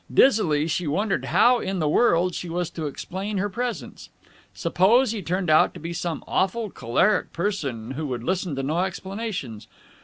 Dizzily, she wondered how in the world she was to explain her presence. Suppose he turned out to be some awful choleric person who would listen to no explanations.